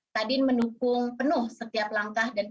kadin menukung penuh setiap langkah dan kebijaksanaan